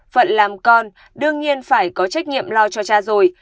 phận làm con đương nhiên phải có trách nhiệm lo cho cha rồi